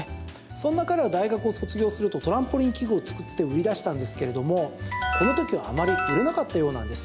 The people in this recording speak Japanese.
そんな彼は大学を卒業するとトランポリン器具を作って売り出したのですけれどもこの時はあまり売れなかったようなんです。